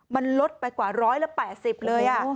มันลดไปกว่าร้อยละ๘๐เลย